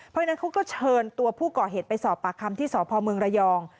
เพราะฉะนั้นเขาก็เชิญตัวผู้ก่อเหตุไปสอบปากคำที่สพเมืองระยอง